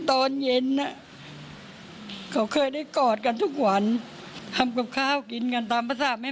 ตอนเย็นเขาเคยได้กอดกันทุกวันทำกับข้าวกินกันตามภาษาแม่